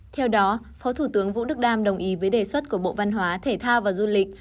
theo đó phó thủ tướng vũ đức đam đồng ý với đề xuất của bộ văn hóa thể thao và du lịch